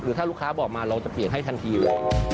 คือถ้าลูกค้าบอกมาเราจะเปลี่ยนให้ทันทีเลย